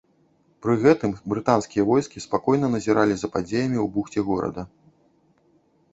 Пры гэтым брытанскія войскі спакойна назіралі за падзеямі ў бухце горада.